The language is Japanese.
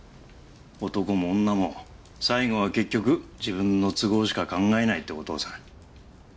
男も女も最後は結局自分の都合しか考えないって事をさ。